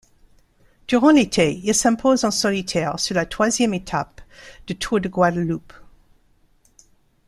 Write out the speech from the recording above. Durant l'été, il s'impose en solitaire sur la troisième étape du Tour de Guadeloupe.